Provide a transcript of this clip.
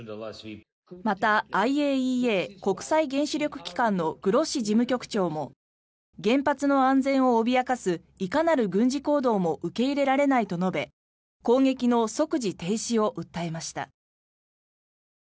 またＩＡＥＡ・国際原子力機関のグロッシ事務局長も原発の安全を脅かすいかなる軍事行動も受け入れられないと述べ攻撃の即時停止を訴えました。